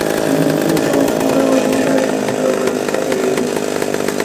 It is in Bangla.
কিন্তু যুক্তরাজ্যে অবস্থান করার মাধ্যমে তারেক রহমান তাঁর অপরাধের সাজা এড়িয়ে যাচ্ছেন।